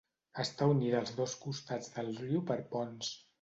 Està unida als dos costats del riu per ponts.